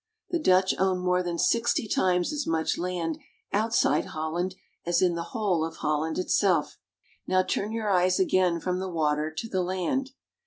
The Dutch own more than sixty times as much land outside Holland as in the whole of Holland it self. Now turn your eyes again from the water to the land.